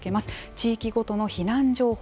地域ごとの避難情報